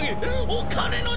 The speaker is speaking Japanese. お金の力！